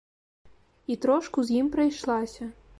І трошку з ім прайшлася.